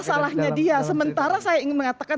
salahnya dia sementara saya ingin mengatakan